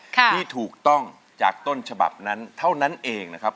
ที่ถูกต้องจากต้นฉบับนั้นเท่านั้นเองนะครับ